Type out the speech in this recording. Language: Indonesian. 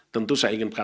tentu saya ingin berkata